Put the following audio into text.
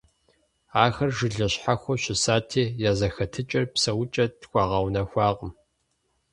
Ахэр жылэ щхьэхуэу щысати, я зэхэтыкӀэр, псэукӀэр тхуэгъэунэхуакъым.